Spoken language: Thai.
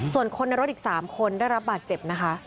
ส่วนคนในรถอีก๓คนได้รับบาดเจ็บนะคะ